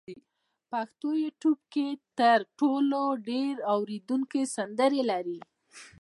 پښتو یوټیوب کې تر ټولو ډېر اورېدونکي سندرې لري.